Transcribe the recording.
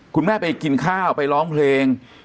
คุณแม่ไปกินข้าวไปร้องเพลง